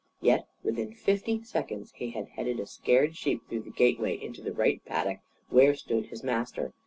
Yet within fifty seconds he had headed a scared sheep through the gateway into the right hand paddock where stood his master.